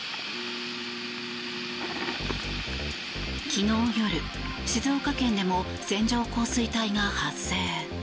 昨日夜、静岡県でも線状降水帯が発生。